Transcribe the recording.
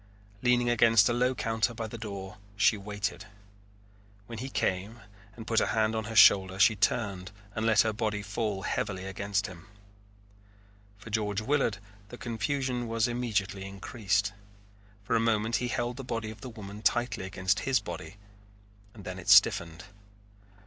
Leaning against a low counter by the door she waited. When he came and put a hand on her shoulder she turned and let her body fall heavily against him. For George Willard the confusion was immediately increased. For a moment he held the body of the woman tightly against his body and then it stiffened.